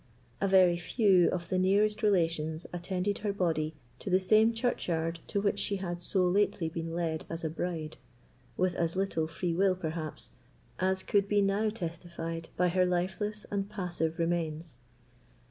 A very few of the nearest relations attended her body to the same churchyard to which she had so lately been led as a bride, with as little free will, perhaps, as could be now testified by her lifeless and passive remains.